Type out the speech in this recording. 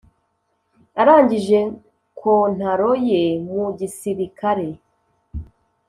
arangije kontaro ye mu gisilikare,